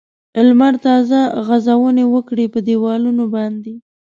لمر تازه غځونې وکړې په دېوالونو باندې.